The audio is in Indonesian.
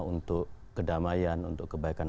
untuk kedamaian untuk kebaikan